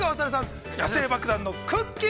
そして野性爆弾のくっきー！